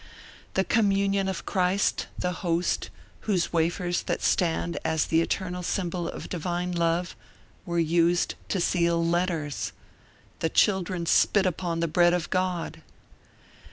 The Communion of Christ, the host, those wafers that stand as the eternal symbol of divine love, were used to seal letters; the children spit upon the bread of God.